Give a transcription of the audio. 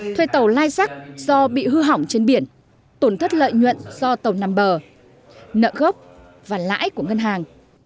thuê tàu lai sát do bị hư hỏng trên biển tổn thất lợi nhuận do tàu nằm bờ nợ gốc và lãi của ngân hàng